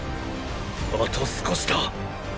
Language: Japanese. あと少しだ。